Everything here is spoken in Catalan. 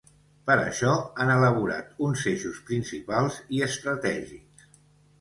Per això, han elaborat uns eixos principals i estratègics.